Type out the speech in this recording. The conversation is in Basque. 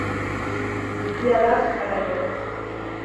Bizia da, alaia.